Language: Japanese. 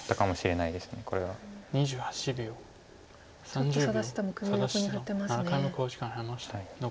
ちょっと佐田七段も首を横に振ってますね。